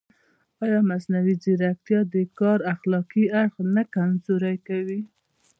ایا مصنوعي ځیرکتیا د کار اخلاقي اړخ نه کمزوری کوي؟